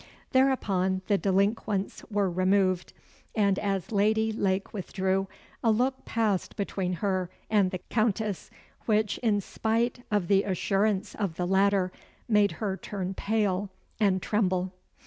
Thereupon the delinquents were removed; and as Lady Lake withdrew, a look passed between her and the Countess, which, in spite of the assurance of the latter, made her turn pale, and tremble.